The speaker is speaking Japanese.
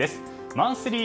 マンスリー